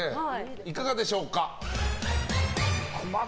いかがでしょうか？